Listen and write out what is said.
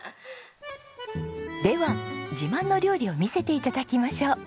では自慢の料理を見せて頂きましょう。